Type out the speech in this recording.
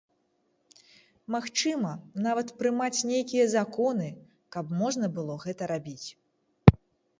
Магчыма, нават прымаць нейкія законы, каб можна было гэта рабіць.